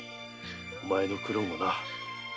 お前の苦労もな。